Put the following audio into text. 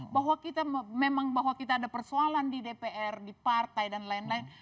bahwa kita memang bahwa kita ada persoalan di dpr di partai dan lain lain